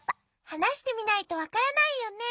はなしてみないとわからないよね。